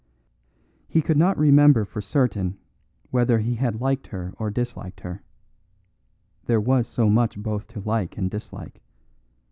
He could not remember for certain whether he had liked her or disliked her; there was so much both to like and dislike.